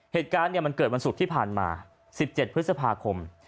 เหตุการณ์มันเกิดวันศุกร์ที่ผ่านมา๑๗พฤษภาคม